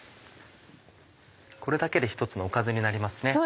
これだけで１つのおかずになりますね。